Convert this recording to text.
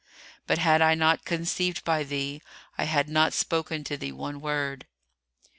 [FN#307] But, had I not conceived by thee, I had not spoken to thee one word."